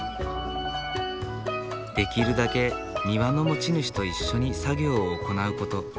できるだけ庭の持ち主と一緒に作業を行うこと。